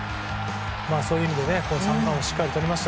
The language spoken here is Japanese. そういう意味で三冠王をしっかりとりました。